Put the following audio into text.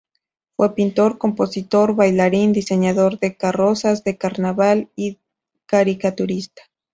Fue pintor, compositor, bailarín, diseñador de carrozas de carnaval y caricaturista.